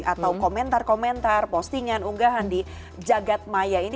atau komentar komentar postingan unggahan di jagadmaya ini